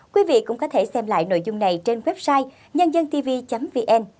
quý vị cũng có thể xem lại nội dung này trên website nhândântv vn